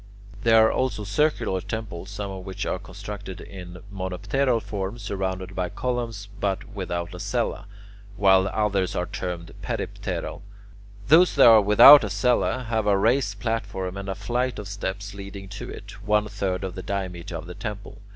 There are also circular temples, some of which are constructed in monopteral form, surrounded by columns but without a cella, while others are termed peripteral. Those that are without a cella have a raised platform and a flight of steps leading to it, one third of the diameter of the temple.